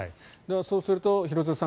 そうすると廣津留さん